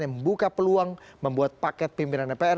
yang membuka peluang membuat paket pimpinan dpr